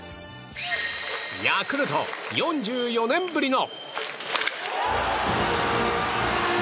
ヤクルト、４４年ぶりの。